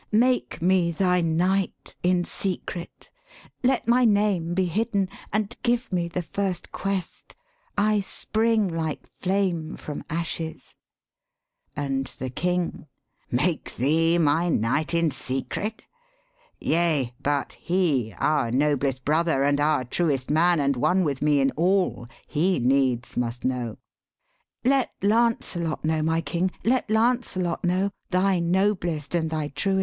' Make me thy knight in secret! let my name Be hidd'n, and give me the first quest, I spring Like flame from ashes.' And the King 'Make thee my knight in secret? yea, but he, Our noblest brother, and our truest man, And one with me in all, he needs must know/ ' Let Lancelot know, my King, let Lancelot know, Thy noblest and thy truest!'